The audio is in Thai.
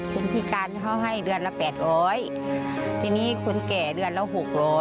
คุณพิการเขาให้เดือนละ๘๐๐บาททีนี้คุณแกะเดือนละ๖๐๐บาท